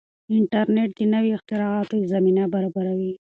انټرنیټ د نویو اختراعاتو زمینه برابروي.